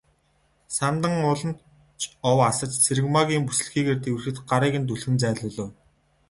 Самдан улам ч ов асаж Цэрэгмаагийн бүсэлхийгээр тэврэхэд гарыг нь түлхэн зайлуулав.